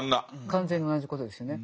完全に同じことですよね。